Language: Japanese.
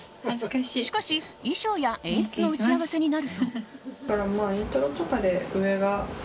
しかし、衣装や演出の打ち合わせになると。